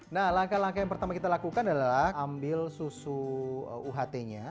nah langkah langkah yang pertama kita lakukan adalah ambil susu uht nya